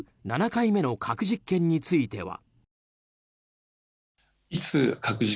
７回目の核実験については。